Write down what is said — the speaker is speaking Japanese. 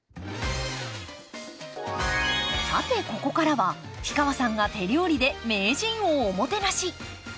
さてここからは氷川さんが手料理で名人をおもてなし！